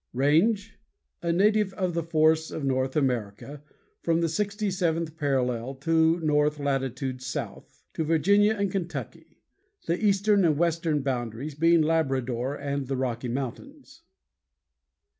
_ RANGE A native of the forests of North America, from the sixty seventh parallel of north latitude south to Virginia and Kentucky, the eastern and western boundaries being Labrador and the Rocky Mountains.